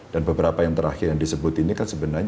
dan beberapa yang terakhir yang disebut ini kan sebenarnya